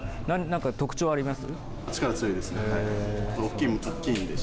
何か特徴あります。